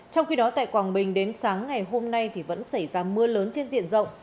trong khi đó tại quảng bình đến sáng ngày hôm nay vẫn xảy ra mưa lớn trên diện rộng